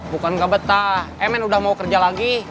bukan nggak betah emen udah mau kerja lagi